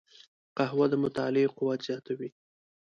قهوه د مطالعې قوت زیاتوي